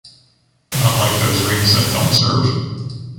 not like those rings that don’t serve